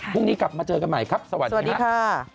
พรุ่งนี้กลับมาเจอกันใหม่ครับสวัสดีครับ